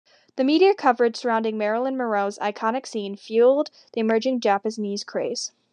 The media coverage surrounding Marilyn Monroe's iconic scene fueled the emerging Japanese craze.